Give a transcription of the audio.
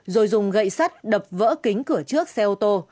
rồi dùng gậy sắt đập vỡ kính cửa trước xe ô tô